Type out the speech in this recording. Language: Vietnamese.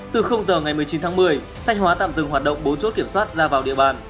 từ giờ ngày một mươi chín tháng một mươi thanh hóa tạm dừng hoạt động bốn chốt kiểm soát ra vào địa bàn